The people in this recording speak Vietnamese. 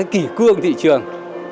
kỷ cương thị trường